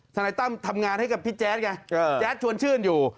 นายตั้มทำงานให้กับพี่แจ๊ดไงแจ๊ดชวนชื่นอยู่